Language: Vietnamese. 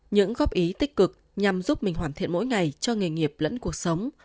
những góp ý tích cực nhằm giúp mình hoàn thiện mỗi ngày cho nghề nghiệp lẫn cuộc sống